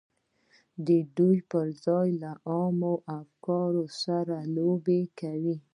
دوی پر ځای یې له عامو افکارو سره لوبې کوي